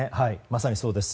まさに、そうです。